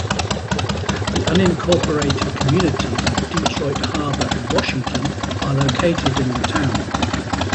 The unincorporated communities of Detroit Harbor and Washington are located in the town.